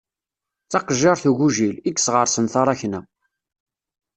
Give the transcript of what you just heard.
D taqejjiṛt ugujil, i yesɣeṛṣen taṛakna.